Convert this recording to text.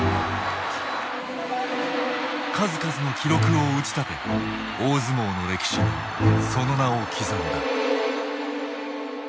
数々の記録を打ち立て大相撲の歴史にその名を刻んだ。